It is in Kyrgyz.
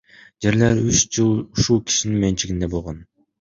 Жерлер үч жыл ушул кишинин менчигинде болгон.